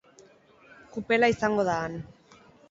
Kupela izango da han.